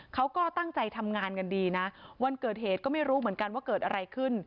เขาก็ตั้งใจทำงานกันดีนะวันเกิดเหตุก็ไม่รู้เหมือนกันว่าเกิดอะไรขึ้น